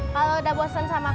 kalau udah bosan sama